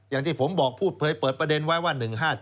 อย่างที่ผมบอกพูดเผยเปิดประเด็นไว้ว่า๑๕๗